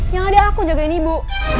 yang ada aku jagain ibu